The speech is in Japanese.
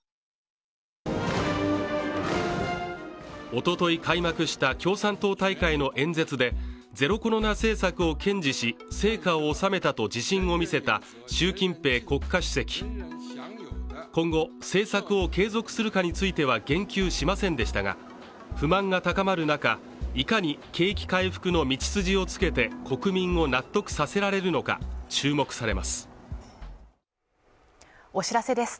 おととい開幕した共産党大会の演説でゼロコロナ政策を堅持し成果を収めたと自信を見せた習近平国家主席今後政策を継続するかについては言及しませんでしたが不満が高まる中いかに景気回復の道筋をつけて国民を納得させられるのか注目されますお知らせです